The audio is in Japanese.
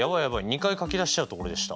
２回書き出しちゃうところでした。